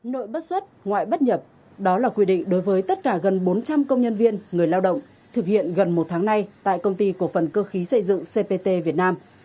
nội bất xuất ngoại bất nhập đó là quy định đối với tất cả gần bốn trăm linh công nhân viên người lao động thực hiện gần một tháng nay tại công ty cổ phần cơ khí xây dựng cpt việt nam